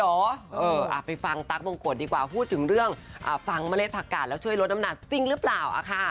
เออไปฟังตั๊กบงกฎดีกว่าพูดถึงเรื่องฟังเมล็ดผักกาดแล้วช่วยลดน้ำหนักจริงหรือเปล่าค่ะ